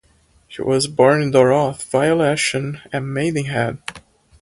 She was born Dorothy Violet Ashton at Maidenhead.